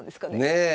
ねえ。